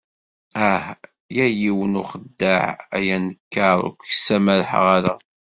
Ah ya yiwen n uxeddaɛ, ay anekkar, ur k-ttsamaḥeɣ ara.